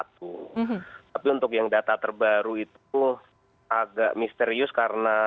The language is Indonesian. tapi untuk yang data terbaru itu agak misterius karena